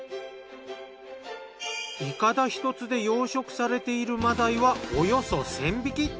いかだ１つで養殖されている真鯛はおよそ１，０００匹。